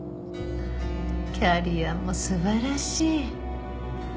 キャリアも素晴らしい！